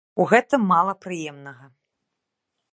У гэтым мала прыемнага.